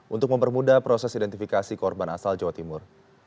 untuk mempermudah proses identifikasi korban asal jawa timur